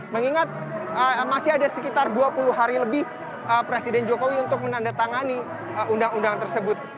mengingat masih ada sekitar dua puluh hari lebih presiden jokowi untuk menandatangani undang undang tersebut